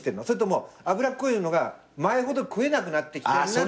それとも脂っこいのが前ほど食えなくなってきてんな。